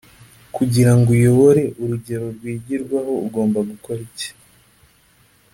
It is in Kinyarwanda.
Kugira ngo uyobore urugero rwigirwaho ugomba gukora iki